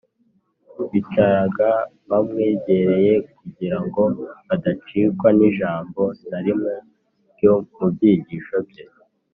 bicaraga bamwegereye kugira ngo badacikwa n’ijambo na rimwe ryo mu byigisho bye